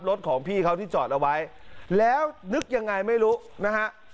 รถของพี่เขาที่จอดเอาไว้แล้วนึกยังไงไม่รู้นะฮะ